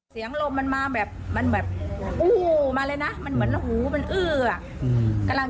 ลมมันมาแบบมันแบบอู้มาเลยนะมันเหมือนหูมันอื้ออ่ะกำลัง